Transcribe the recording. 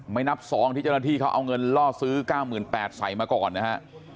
ไม่นับซองที่เจ้าหน้าที่เขาเอาเงินล่อซื้อ๙๘๐๐ใส่มาก่อนนะฮะ